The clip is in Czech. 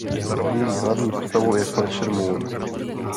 Její hlavní postavou je Fletcher Moon.